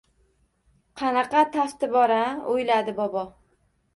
“Qanaqa tafti bor-a!” – oʻyladi bobo.